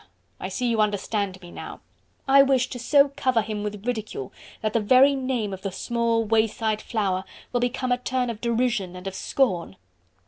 I see you understand me now... I wish to so cover him with ridicule that the very name of the small wayside flower will become a term of derision and of scorn.